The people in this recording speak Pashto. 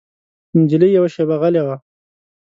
نجلۍ يوه شېبه غلې وه.